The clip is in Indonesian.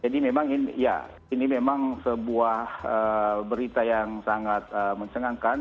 memang ya ini memang sebuah berita yang sangat mencengangkan